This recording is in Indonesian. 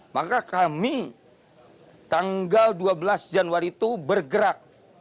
maka kami tanggal dua belas januari itu bergerak